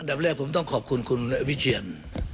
อันดับแรกผมต้องขอบคุณคุณวิทเชียร